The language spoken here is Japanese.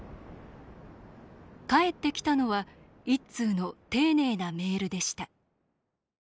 返ってきたのは１通の丁寧なメールでした。